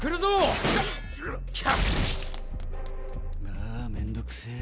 ああめんどくせぇ。